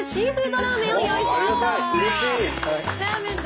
ラーメンだ。